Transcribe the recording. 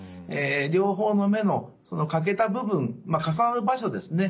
両方の目の欠けた部分重なる場所ですね